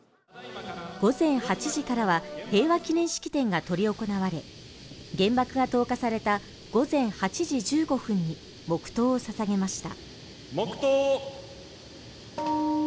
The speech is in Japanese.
午前８時からは平和記念式典が執り行われ原爆が投下された午前８時１５分に黙とうをささげました。